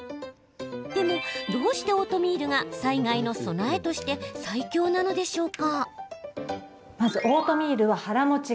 でも、どうしてオートミールが災害の備えとして最強なのでしょうか？